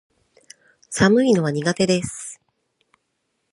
寒いのは苦手です